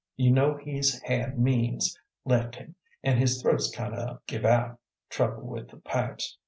You know he's had means left him, and his throat's kind o' give out; trouble with the pipes.